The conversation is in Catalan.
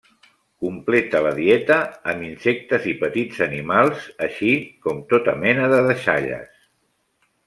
Completa la dieta amb insectes i petits animals així com tota mena de deixalles.